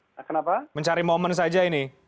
oke atau jangan jangan karena mencari momen saja ini bagaimana